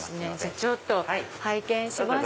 ちょっと拝見します。